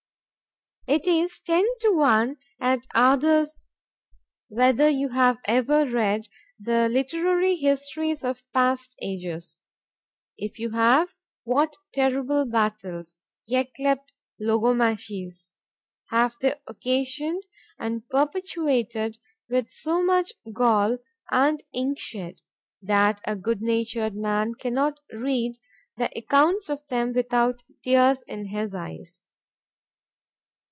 It is ten to one (at Arthur's) whether you have ever read the literary histories of past ages;—if you have, what terrible battles, 'yclept logomachies, have they occasioned and perpetuated with so much gall and ink shed,—that a good natured man cannot read the accounts of them without tears in his eyes.